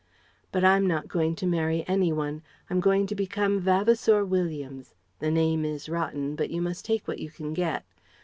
But I'm not going to marry any one. I'm going to become Vavasour Williams the name is rotten, but you must take what you can get.